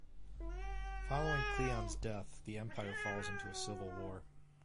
Following Cleon's death, the Empire falls into a civil war.